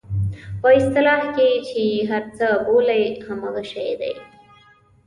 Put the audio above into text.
په اصطلاح کې چې یې هر څه بولئ همغه شی دی.